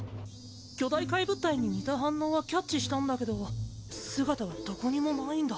巨大怪物体に似た反応はキャッチしたんだけど姿がどこにもないんだ。